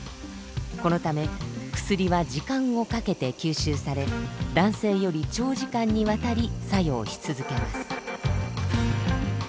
このため薬は時間をかけて吸収され男性より長時間にわたり作用し続けます。